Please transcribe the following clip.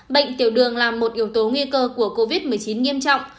bệnh tiểu đường là một yếu tố nguy cơ của covid một mươi chín nghiêm trọng